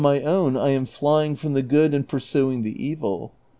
my own, I am flying from the good and pursuing the evil.